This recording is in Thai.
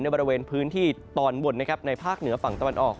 บริเวณพื้นที่ตอนบนนะครับในภาคเหนือฝั่งตะวันออก